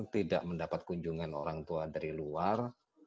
tidak mendapat kunjungan orang tua dari luar